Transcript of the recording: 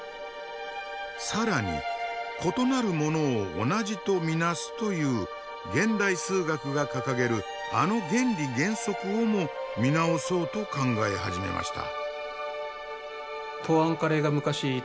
更に「異なるものを同じと見なす」という現代数学が掲げるあの原理原則をも見直そうと考え始めました。